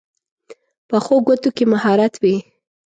پخو ګوتو کې مهارت وي